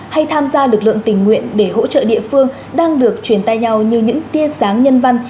hay tham gia lực lượng tình nguyện để hỗ trợ địa phương đang được truyền tay nhau như những tia sáng nhân văn